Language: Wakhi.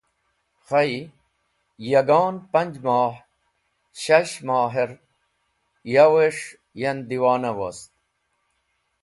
Khay, yagon panj moh, shash moher yowes̃h yan diwona wost.